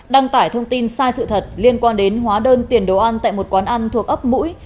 đăng tải thông tin sai sự thật liên quan đến hóa đơn tiền đồ ăn tại một quán ăn thuộc ấp mũi